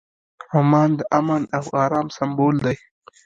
عمان د امن او ارام سمبول دی.